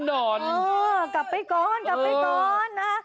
เออกลับไปก่อนนะ